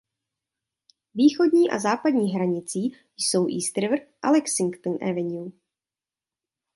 Východní a západní hranicí jsou East River a Lexington Avenue.